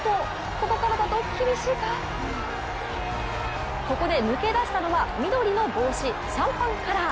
ここからだと厳しいかここで抜け出したのは緑の帽子、シャンパンカラー。